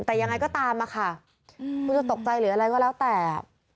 แต่ยังไงก็ตามอะค่ะคุณจะตกใจหรืออะไรก็แล้วแต่